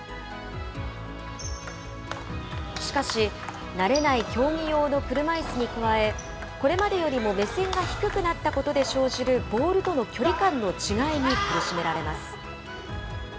しかし、慣れない競技用の車いすに加え、これまでよりも目線が低くなったことで生じるボールとの距離感の違いに苦しめられます。